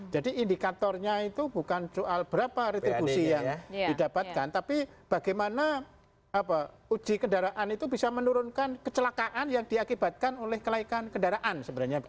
jadi indikatornya itu bukan soal berapa retribusi yang didapatkan tapi bagaimana uji kendaraan itu bisa menurunkan kecelakaan yang diakibatkan oleh kelaikan kendaraan sebenarnya begitu